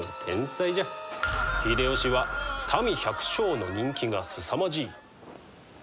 秀吉は民百姓の人気がすさまじい。